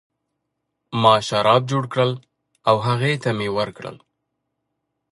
ما شراب جوړ کړل او هغه ته مې ورکړل.